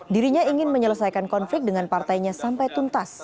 dirinya ingin menyelesaikan konflik dengan partainya sampai tuntas